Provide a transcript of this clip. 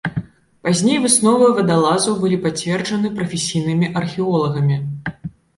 Пазней высновы вадалазаў былі пацверджаны прафесійнымі археолагамі.